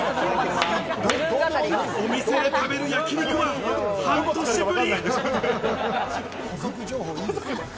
お店で食べる焼肉は半年ぶり。